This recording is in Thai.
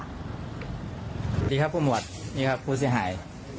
สวัสดีครับผู้หมวดนี่ครับผู้เสียหาย